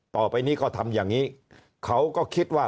ต่อไปนี้ก็ทำอย่างนี้เขาก็คิดว่า